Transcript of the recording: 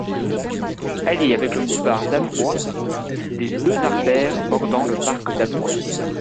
Elle est avec le boulevard d'Avroy une des deux artères bordant le parc d'Avroy.